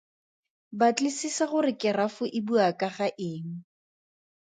Batlisisa gore kerafo e bua ka ga eng.